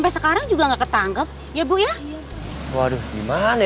ayo keburan bang